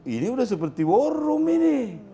ini udah seperti war room ini